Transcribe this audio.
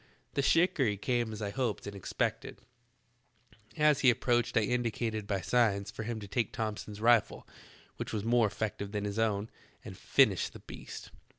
"The shikarry came as I hoped and expected. As he approached I indicated by signs for him to 140 THE TALKING HANDKERCHIEF. take Thomson's rifle, which was more eflective than his own, and finish the beast.